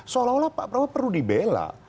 seolah olah pak prabowo perlu dibela